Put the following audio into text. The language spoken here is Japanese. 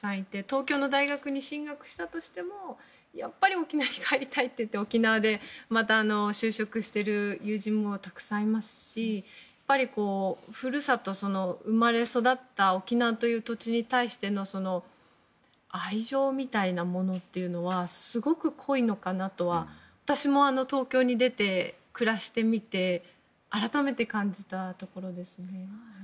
東京の大学に進学したとしてもやっぱり沖縄に帰りたいと沖縄でまた就職している友人もたくさんいますし故郷、生まれ育った沖縄という土地に対しての愛情みたいなものというのはすごく濃いのかなとは私も東京に出て暮らしてみて改めて感じたところですね。